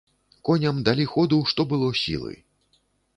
Коням далі ходу што было сілы.